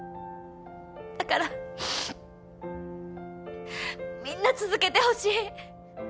だからみんな続けてほしい。